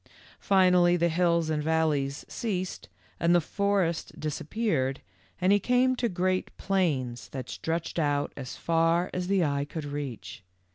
"Finally the hills and valleys ceased and the forest disappeared and he came to great plains that stretched out as far as eye could reach.